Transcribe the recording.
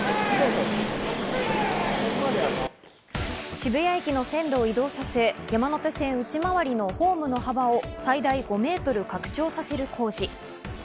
渋谷駅の線路を移動させ、山手線内回りのホームの幅を最大５ｍ拡張させる工事。